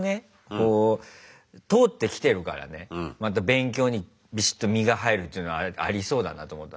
こう通ってきてるからねまた勉強にビシッと身が入るっていうのはありそうだなと思った。